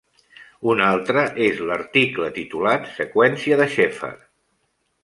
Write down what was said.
Un altre és l'article titulat "Seqüència de Sheffer".